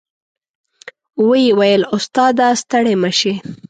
وې ویل استاد ه ستړی مه شې.